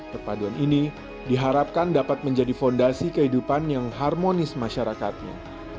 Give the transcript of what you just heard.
perpaduan ini diharapkan dapat menjadi fondasi kehidupan yang harmonis masyarakatnya